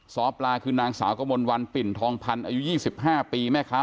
ส์อตราคือนางสาวกมลวัลปิ่นทองพันธุ์อายุยี่สิบห้าปีนะคะ